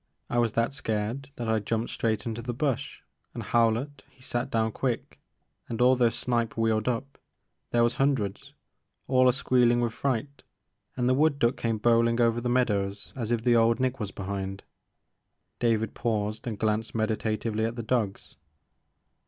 I was that scared that I jumped straight into the bush and Howlett he sat down quick, and all those snipe wheeled up — there was hun dreds—all a squeeHn' with fright, and the wood duck came bowlin' over the meadows as if the old Nick was behind." David paused and glanced meditatively at the dogs.